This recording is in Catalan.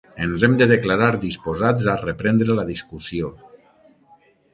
Ens hem de declarar disposats a reprendre la discussió.